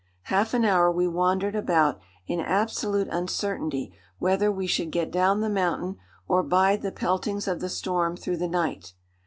Half an hour we wandered about in absolute uncertainty whether we should get down the mountain, or bide the peltings of the storm through the night.